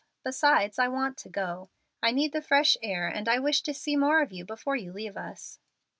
Besides, I want to go. I need the fresh air, and I wish to see more of you before you leave us."